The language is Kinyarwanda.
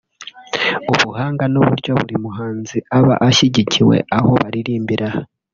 ubuhanga n’uburyo buri muhanzi aba ashyigikiwe aho baririmbira